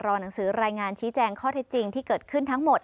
หนังสือรายงานชี้แจงข้อเท็จจริงที่เกิดขึ้นทั้งหมด